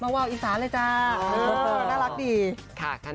มาวาวอีสานเลยจ้า